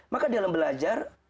maka dalam belajar